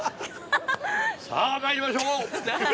◆さあ、まいりましょう。